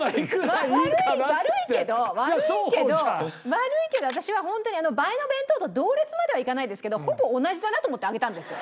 悪いけど私はホントに映えの弁当と同列まではいかないですけどほぼ同じだなと思って上げたんですよ。